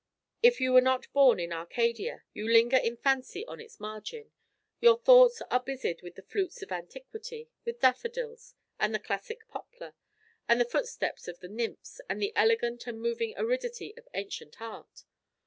If you were not born in Arcadia, you linger in fancy on its margin; your thoughts are busied with the flutes of antiquity, with daffodils, and the classic poplar, and the footsteps of the nymphs, and the elegant and moving aridity of ancient art.